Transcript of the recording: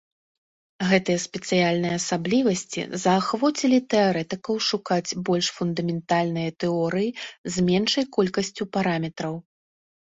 Гэтыя спецыяльныя асаблівасці заахвоцілі тэарэтыкаў шукаць больш фундаментальныя тэорыі з меншай колькасцю параметраў.